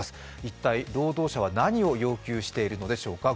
一体、労働者は何を要求しているのでしょうか。